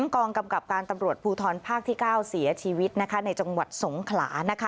กองกำกับการตำรวจภูทรภาคที่๙เสียชีวิตในจังหวัดสงขลา